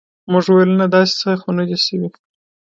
موږ ویل نه داسې څه خو نه دي شوي.